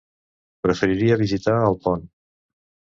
Preferiria visitar Alpont.